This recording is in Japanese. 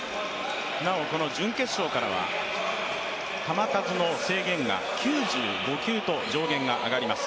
なお、準決勝からは球数の制限が９５球と上限が上がります。